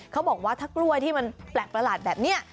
เขาบอกว่าถ้ากล้วยที่มันแปลกประหลาดแบบนี้